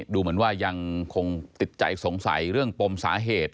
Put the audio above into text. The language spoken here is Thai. ดูเหมือนว่ายังคงติดใจสงสัยเรื่องปมสาเหตุ